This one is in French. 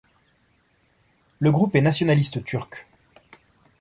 Le groupe est nationaliste turc.